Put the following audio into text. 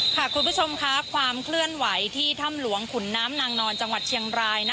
คุณผู้ชมค่ะความเคลื่อนไหวที่ถ้ำหลวงขุนน้ำนางนอนจังหวัดเชียงราย